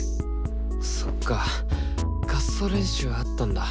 そっか合奏練習あったんだ。